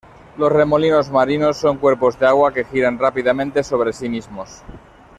Los remolinos marinos son cuerpos de agua que giran rápidamente sobre sí mismos.